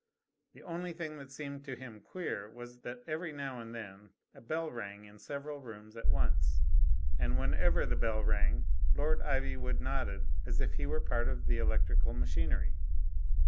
The only thing that seemed to him queer was that every now and then a bell rang in several rooms at once. And whenever the bell rang. Lord Ivywood nodded, as if he were part of the electrical machinery.